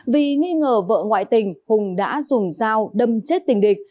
vì nghi ngờ vợ ngoại tình hùng đã dùng dao đâm chết tình địch